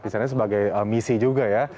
misalnya sebagai misi juga ya